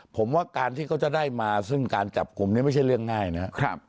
ผมว่าการที่เขาจะได้มาซึ่งการจับกลุ่มนี้ไม่ใช่เรื่องง่ายนะครับ